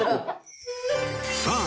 さあ